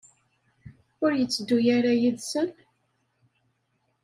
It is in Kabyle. Ur yetteddu ara yid-sen?